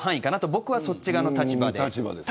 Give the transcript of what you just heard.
僕はそっちの立場です。